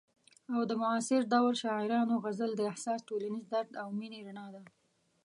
او د معاصر دور شاعرانو غزل د احساس، ټولنیز درد او مینې رڼا ده.